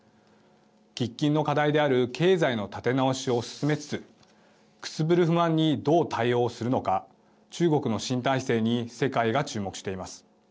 喫緊の課題である経済の立て直しを進めつつくすぶる不満にどう対応するのか中国の新体制に世界が注目しています。